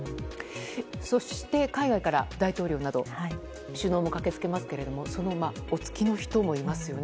そして、海外から大統領など首脳も駆けつけますがお付きの人もいますよね。